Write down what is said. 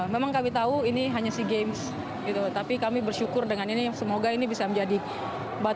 memang kami tahu ini hanya sea games tapi kami bersyukur dengan ini semoga ini bisa menjadi bagian